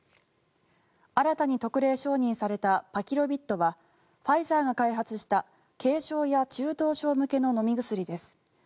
新たに特例承認されたパキロビッドはファイザーが開発した軽症や中等症向けの飲み薬です。